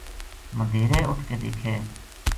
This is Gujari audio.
مدہیرے اٹھ کے دیکھے